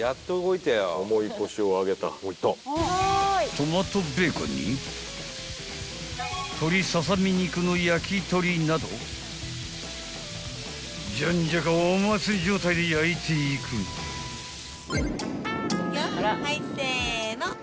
［トマトベーコンに鶏ささみ肉の焼き鳥などじゃんじゃかお祭り状態で焼いていく］はいせの。